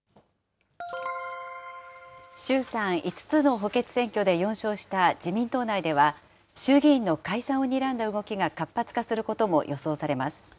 衆参５つの補欠選挙で４勝した自民党内では、衆議院の解散をにらんだ動きが活発化することも予想されます。